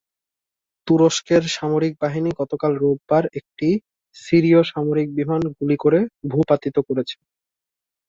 তুরস্কের সামরিক বাহিনী গতকাল রোববার একটি সিরীয় সামরিক বিমান গুলি করে ভূপাতিত করেছে।